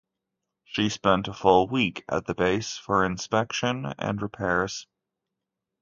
She spent a full week at the base for inspection and repairs.